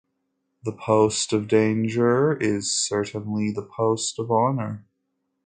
The post of danger is certainly the post of honor.